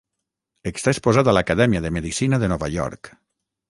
Està exposat a l'Acadèmia de Medicina de Nova York.